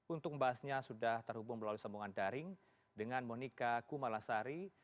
untuk membahasnya sudah terhubung melalui sambungan daring dengan monika kumalasari